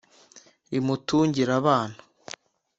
rimutungire abana